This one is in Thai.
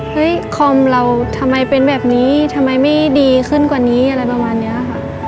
คอมเราทำไมเป็นแบบนี้ทำไมไม่ดีขึ้นกว่านี้อะไรประมาณนี้ค่ะ